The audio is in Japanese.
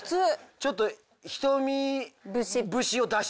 ちょっと。